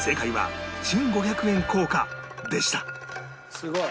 すごい。